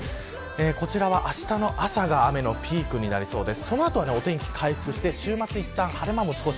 こちらは、あしたの朝が雨のピークになりそうです。